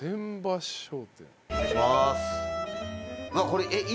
これ。